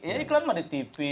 ya iklan mah di tv